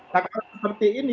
nah kalau seperti ini